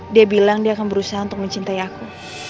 dia bilang dia akan berusaha untuk mencintai aku